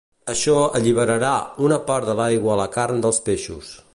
Això "alliberarà" una part de l'aigua a la carn dels peixos.